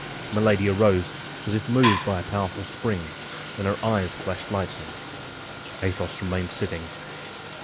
Milady arose as if moved by a powerful spring, and her eyes flashed lightning. Athos remained sitting.